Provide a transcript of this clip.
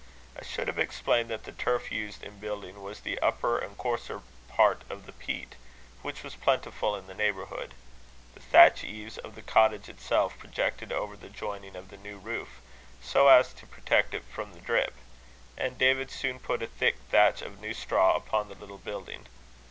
I should have explained that the turf used in building was the upper and coarser part of the peat, which was plentiful in the neighbourhood. The thatch eaves of the cottage itself projected over the joining of the new roof, so as to protect it from the drip; and David soon put a thick thatch of new straw upon the little building.